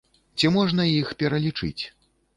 Ці можна іх пералічыць?